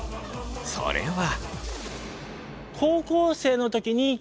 それは。